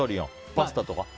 パスタとか？